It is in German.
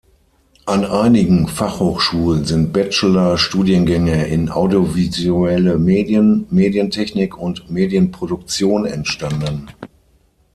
An einigen Fachhochschulen sind Bachelor-Studiengänge in "Audiovisuelle Medien", "Medientechnik" und "Medienproduktion" entstanden.